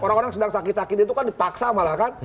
orang orang yang sedang sakit sakit itu kan dipaksa malah kan